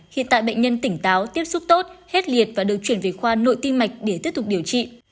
hiện tại bệnh nhân tỉnh táo tiếp xúc tốt hết liệt và được chuyển về khoa nội tim mạch để tiếp tục điều trị